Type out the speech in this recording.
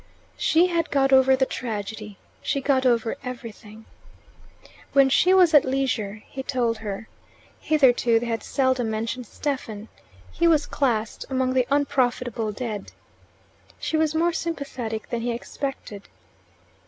She had got over the tragedy: she got over everything. When she was at leisure he told her. Hitherto they had seldom mentioned Stephen. He was classed among the unprofitable dead. She was more sympathetic than he expected.